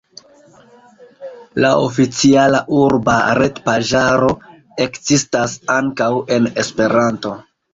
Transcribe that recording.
La oficiala urba retpaĝaro ekzistas ankaŭ en Esperanto.